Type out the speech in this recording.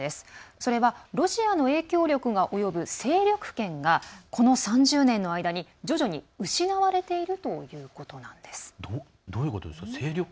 それはロシアの影響力が及ぶ勢力圏が、この３０年の間に徐々に失われているということなんです。